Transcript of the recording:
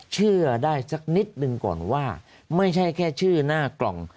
เชื่อได้สักนิดหนึ่งก่อนว่าไม่ใช่แค่ชื่อหน้ากล่อง